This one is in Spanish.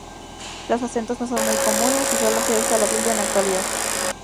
Los acentos no son comunes y solo se usa la tilde en la actualidad.